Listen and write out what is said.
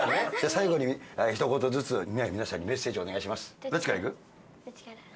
最後に一言ずつ皆さんにメッセージをお願いします。